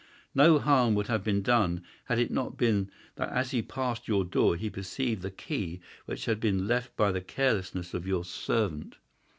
No harm would have been done had it not been that as he passed your door he perceived the key which had been left by the carelessness of your servant.